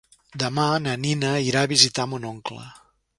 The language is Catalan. Demà na Nina irà a visitar mon oncle.